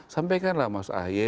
sampaikan lah mas ahye